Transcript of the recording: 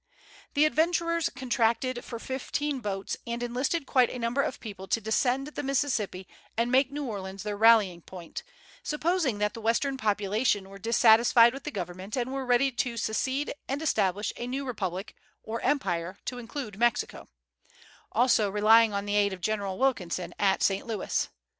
The adventurers contracted for fifteen boats and enlisted quite a number of people to descend the Mississippi and make New Orleans their rallying point, supposing that the Western population were dissatisfied with the government and were ready to secede and establish a new republic, or empire, to include Mexico; also relying on the aid of General Wilkinson at St. Louis.